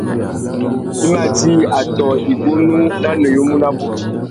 I mà djï atõh igunú na nuyumu nabú.